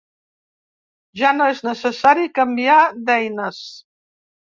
Ja no és necessari canviar d'eines.